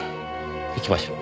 行きましょう。